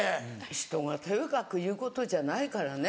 人がとやかく言うことじゃないからね。